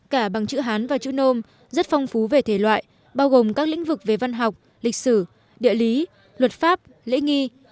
cả bằng chữ hán và chữ nôm rất phong phú về thể loại bao gồm các lĩnh vực về văn học lịch sử địa lý luật pháp lễ nghi